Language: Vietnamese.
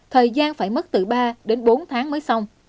thời gian phải mất từ ba đến bốn tháng mới xong